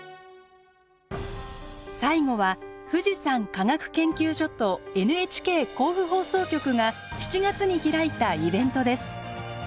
最後は富士山科学研究所とＮＨＫ甲府放送局が７月に開いたイベントです。